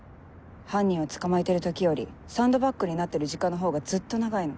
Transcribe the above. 犯人を捕まえてる時よりサンドバッグになってる時間のほうがずっと長いの。